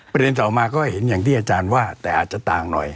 ต่อมาก็เห็นอย่างที่อาจารย์ว่าแต่อาจจะต่างหน่อย